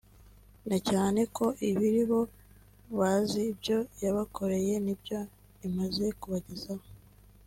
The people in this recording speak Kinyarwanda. na cyane ko aribo bazi ibyo yabakoreye n’ibyo imaze kubagezaho